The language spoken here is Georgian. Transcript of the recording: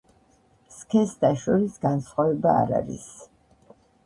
სქესთა შორის განსხვავება არ არის.